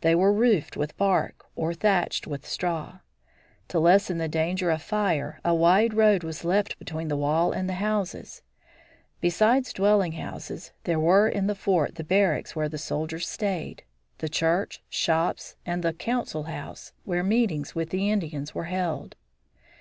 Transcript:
They were roofed with bark or thatched with straw. To lessen the danger of fire a wide road was left between the wall and the houses. Besides dwelling houses, there were in the fort the barracks where the soldiers stayed, the church, shops, and the council house, where meetings with the Indians were held.